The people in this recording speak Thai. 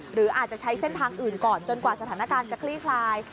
หรืออาจจะใช้เส้นทางอื่นก่อนจนกว่าสถานการณ์จะคลี่คลาย